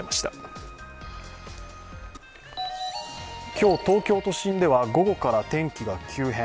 今日、東京都心では午後から天気が急変。